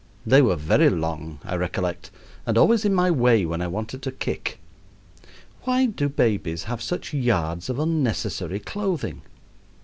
They were very long, I recollect, and always in my way when I wanted to kick. Why do babies have such yards of unnecessary clothing?